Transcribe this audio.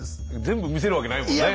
全部見せるわけないもんね。